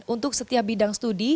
untuk setiap bidang studi